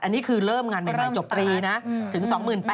อันนี้คือเริ่มงานใหม่จบตรีนะถึง๒๘๐๐